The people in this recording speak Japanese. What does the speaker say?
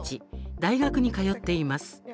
大学に通っています。